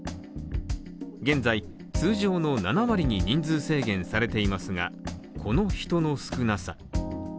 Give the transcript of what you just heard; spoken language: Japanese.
現在、通常の７割に制限されていますが、この人の少なさ。